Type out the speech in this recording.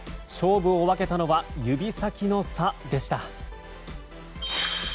勝負を分けたのは指先の差でした。